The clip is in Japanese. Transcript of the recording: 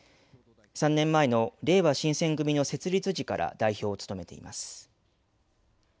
３年前のれいわ新選組の設立時から代表を務めています。